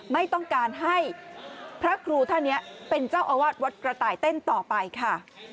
ไม่ต้องการให้พระครูท่านนี้เป็นเจ้าอาวาสวัดกระต่ายเต้นต่อไปค่ะ